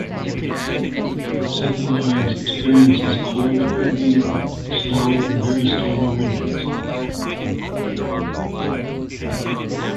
Sydney Mines experiences cold, windy, wet, snowy and very stormy winters.